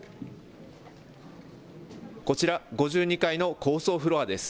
こちら、５２階の高層フロアです。